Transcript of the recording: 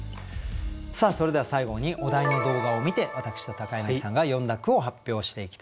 それでは最後にお題の動画を観て私と柳さんが詠んだ句を発表していきたいと思います。